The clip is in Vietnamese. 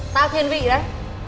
tao thiên vị đấy